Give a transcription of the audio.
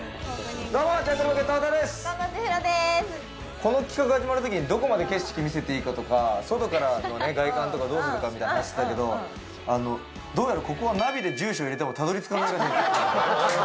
この企画が始まるときにどこまで景色見せていいか外からの外観とかどうするかって話してたけどどうやらここはナビで住所入れてもたどりつかないらしい。